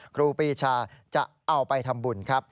ครูปีชาจะเอาไปทำบุญครับ